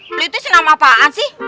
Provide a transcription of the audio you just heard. beli itu senang apaan sih